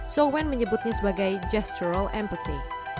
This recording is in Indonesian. so wen menyebutnya sebagai gestural ampty